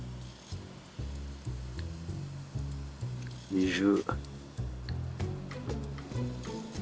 ２０。